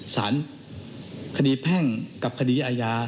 สารคดีแพ่งกับคดีอาญา